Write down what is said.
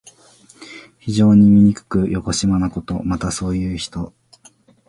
非常にみにくくよこしまなこと。また、そういう人。